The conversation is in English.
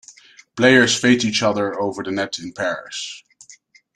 Players face each other over the net in pairs.